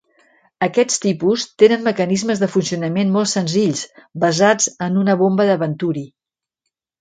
Aquests tipus tenen mecanismes de funcionament molt senzills, basats en una bomba de venturi.